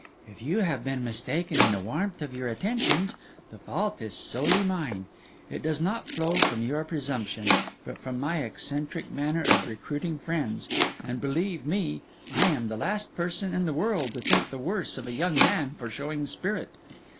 'If you have been mistaken in the warmth of your attentions, the fault is solely mine; it does not flow from your presumption, but from my eccentric manner of recruiting friends; and, believe me, I am the last person in the world to think the worse of a young man for showing spirit.